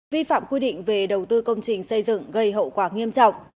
vi phạm quy định về đầu tư công trình xây dựng gây hậu quả nghiêm trọng